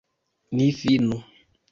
Ni finu.